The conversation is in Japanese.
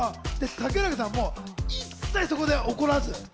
竹中さんも一切そこで怒らず。